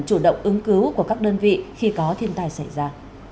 chủ động ứng cứu của các đơn vị khi có thiên tai xảy ra